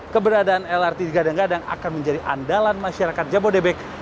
keberadaan lrt di gadang gadang akan menjadi andalan masyarakat jabodebek